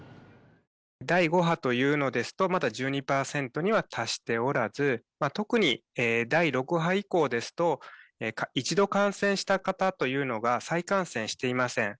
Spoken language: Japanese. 第５波というのですとまだ１２％には達しておらず特に第６波以降ですと一度感染した方というのが再感染していません。